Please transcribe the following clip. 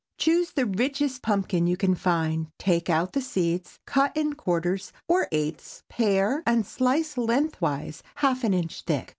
Choose the richest pumpkin you can find; take out the seeds, cut in quarters or eighths, pare, and slice lengthwise half an inch thick.